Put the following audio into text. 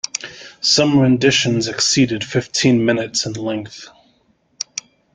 Some renditions exceeded fifteen minutes in length.